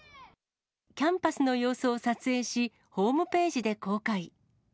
キャンパスの様子を撮影し、ホームページで公開。